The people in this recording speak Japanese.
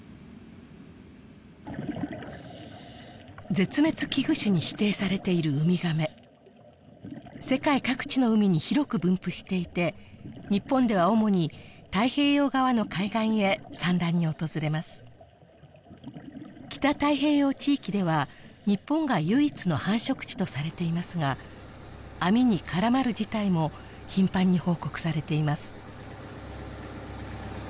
絶滅危惧種に指定されているウミガメ世界各地の海に広く分布していて日本では主に太平洋側の海岸へ産卵に訪れます北太平洋地域では日本が唯一の繁殖地とされていますが網に絡まる事態も頻繁に報告されています